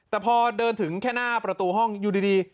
แต่พอเดินถึงแค่หน้าประตูห้องอยู่ดี